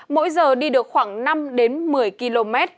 mỗi giờ đi được khoảng năm một mươi km